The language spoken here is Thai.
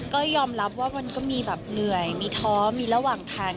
ก็ยอมรับว่ามันก็มีแบบเหนื่อยมีท้อมีระหว่างทาง